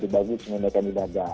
bagi semua mereka beribadah